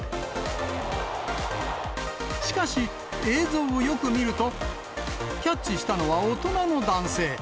しかし、映像をよく見ると、キャッチしたのは大人の男性。